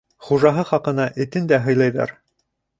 Хужаһы хаҡына этен дә һыйлайҙар.